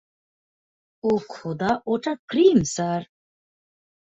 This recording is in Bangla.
ও খোদা, ওটা ক্রিম, স্যার!